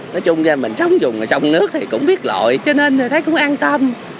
nói chung ra mình sống dùm sông nước thì cũng biết lội cho nên thấy cũng an tâm